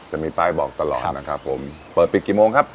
จะมีป้ายบอกตลอดนะครับผมเปิดปิดกี่โมงครับ